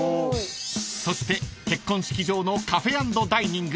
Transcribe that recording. ［そして結婚式場のカフェ＆ダイニング］